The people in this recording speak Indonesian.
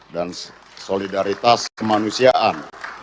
dan solidaritas kemanusiaan